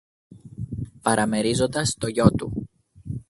παραμερίζοντας το γιο του.